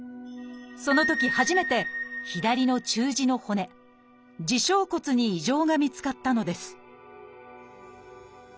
そのとき初めて左の中耳の骨耳小骨に異常が見つかったのです